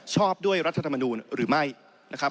ชอบด้วยรัฐธรรมนูลหรือไม่นะครับ